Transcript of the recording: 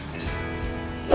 duduk aja ya